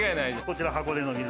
こちら箱根の水。